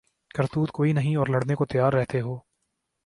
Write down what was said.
کرتوت کوئی نہیں اور لڑنے کو تیار رہتے ہو